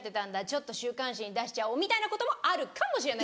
ちょっと週刊誌に出しちゃおう」みたいなこともあるかもしれない。